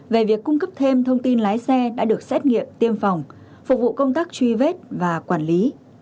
về việc cung cấp thêm thông tin lái xe đã được xét nghiệm tiêm phòng phục vụ công tác truy vết và quản lý